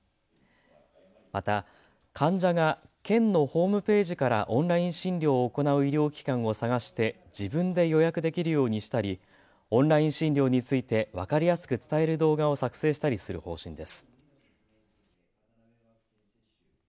また患者が県のホームページからオンライン診療を行う医療機関を探して自分で予約できるようにしたりオンライン診療について分かりやすく伝える動画を作成したりする方針です。